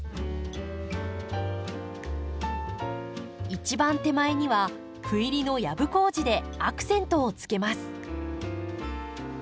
一番手前には斑入りのヤブコウジでアクセントをつけます。